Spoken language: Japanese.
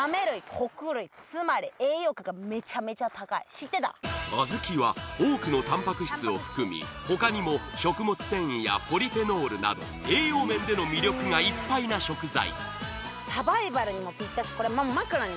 小豆小豆は多くのタンパク質を含み他にも食物繊維やポリフェノールなど栄養面での魅力がいっぱいな食材